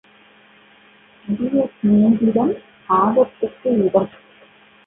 அதிகச் சிநேகிதம் ஆபத்துக்கு இடம்.